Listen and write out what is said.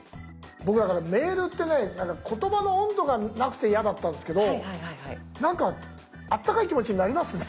僕だからメールってね言葉の温度がなくて嫌だったんですけどなんかあったかい気持ちになりますね。